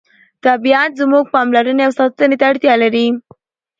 طبیعت زموږ پاملرنې او ساتنې ته اړتیا لري